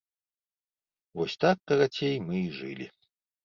Вось так, карацей, мы і жылі.